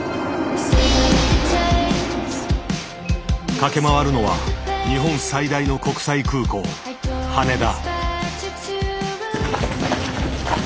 駆け回るのは日本最大の国際空港羽田。